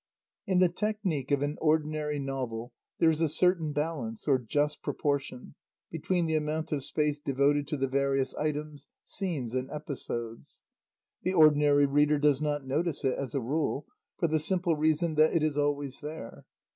In the technique of an ordinary novel there is a certain balance, or just proportion, between the amount of space devoted to the various items, scenes and episodes. The ordinary reader does not notice it as a rule, for the simple reason that it is always there.